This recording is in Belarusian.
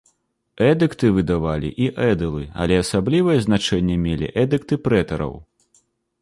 Эдыкты выдавалі і эдылы, але асаблівае значэнне мелі эдыкты прэтараў.